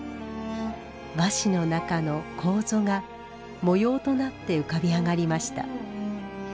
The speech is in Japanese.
和紙の中の楮が模様となって浮かび上がりました。